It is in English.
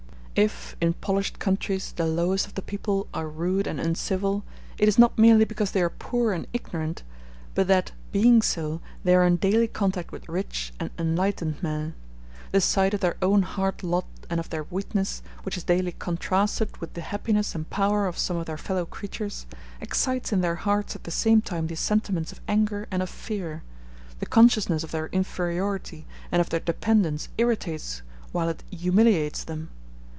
If, in polished countries, the lowest of the people are rude and uncivil, it is not merely because they are poor and ignorant, but that, being so, they are in daily contact with rich and enlightened men. The sight of their own hard lot and of their weakness, which is daily contrasted with the happiness and power of some of their fellow creatures, excites in their hearts at the same time the sentiments of anger and of fear: the consciousness of their inferiority and of their dependence irritates while it humiliates them.